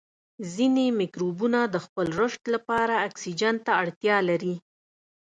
ځینې مکروبونه د خپل رشد لپاره اکسیجن ته اړتیا لري.